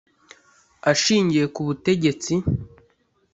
ashingiye ku butegetsi